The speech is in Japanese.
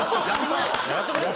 「やってくれよ」。